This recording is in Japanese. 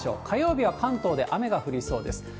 火曜日は関東で雨が降りそうです。